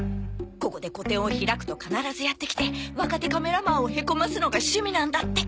ここで個展を開くと必ずやって来て若手カメラマンをへこますのが趣味なんだって。